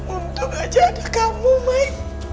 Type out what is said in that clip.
untung aja ada kamu maik